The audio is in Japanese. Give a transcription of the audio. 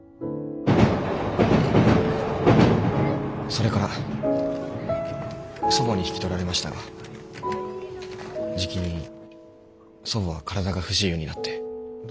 それから祖母に引き取られましたがじきに祖母は体が不自由になって。